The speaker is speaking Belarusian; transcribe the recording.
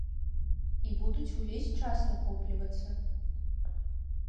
І будуць увесь час накоплівацца.